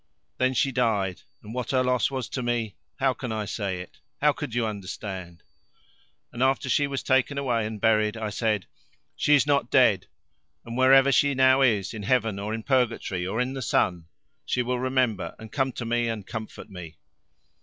Then she died, and what her loss was to me how can I say it? how could you understand? And after she was taken away and buried, I said: 'She is not dead, and wherever she now is, in heaven or in purgatory, or in the sun, she will remember and come to me and comfort me.'